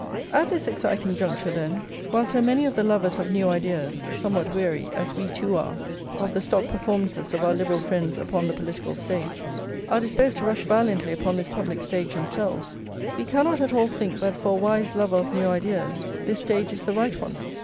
At this exciting juncture, then, while so many of the lovers of new ideas, somewhat weary, as we too are, of the stock performances of our Liberal friends upon the political stage, are disposed to rush valiantly upon this public stage themselves, we cannot at all think that for a wise lover of new ideas this stage is the right one.